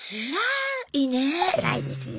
つらいですね。